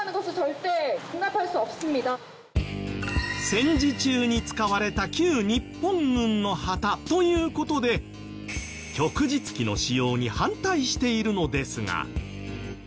戦時中に使われた旧日本軍の旗という事で旭日旗の使用に反対しているのですが。